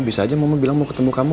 bisa aja mama bilang mau ketemu kamu